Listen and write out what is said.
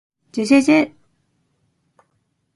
ｗ じぇじぇじぇじぇ ｗ